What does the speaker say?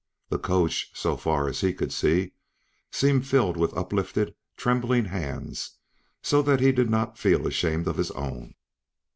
The coach, so far as he could see, seemed filled with uplifted, trembling hands, so that he did not feel ashamed of his own.